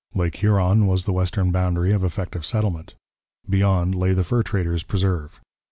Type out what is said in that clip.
Lake Huron was the western boundary of effective settlement: beyond lay the fur trader's preserve.